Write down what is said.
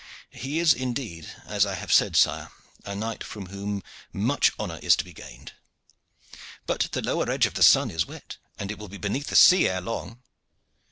"He is indeed, as I have said, sire, a knight from whom much honor is to be gained. But the lower edge of the sun is wet, and it will be beneath the sea ere long."